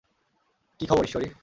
কী খবর, ঈশ্বরী!